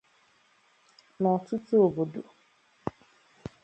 N'ọtụtụ obodo